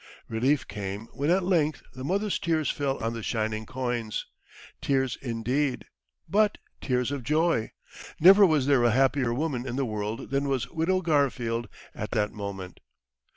Relief came when at length the mother's tears fell on the shining coins. Tears indeed! but tears of joy. Never was there a happier woman in the world than was Widow Garfield at that moment.